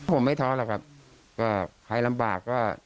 ผมไม่ท้อหรอกครับก็ใครลำบากก็